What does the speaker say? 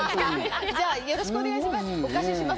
よろしくお願いします。